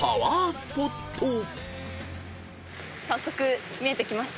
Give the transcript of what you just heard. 早速見えてきました。